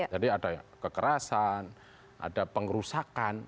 jadi ada kekerasan ada pengerusakan